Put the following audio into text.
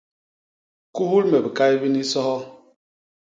Kuhul me bikai bini, soho!